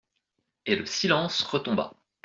Et le silence retomba.